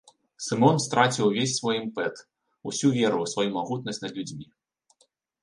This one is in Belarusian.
Сымон страціў увесь свой імпэт, усю веру ў сваю магутнасць над людзьмі.